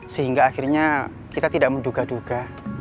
sehingga akhirnya kita tidak menduga duga